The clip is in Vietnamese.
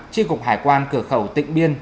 chiếc cục hải quan cửa khẩu tịnh biên